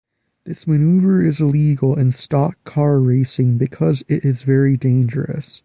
This maneuver is illegal in stock car racing because it is very dangerous.